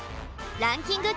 ランキング